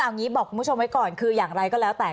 เอางี้บอกคุณผู้ชมไว้ก่อนคืออย่างไรก็แล้วแต่